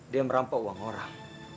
dia merampok uang orang